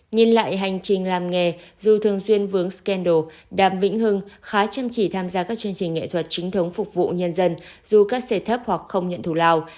nhìn lại hành trình làm nghề dù thường xuyên vướng scandal đàm vĩnh hưng khá chăm chỉ tham gia các chương trình nghệ thuật chính thống phục vụ nhân dân dù các xê thấp hoặc không nhận thù lao